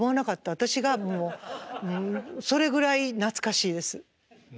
私がもうそれぐらい懐かしいです。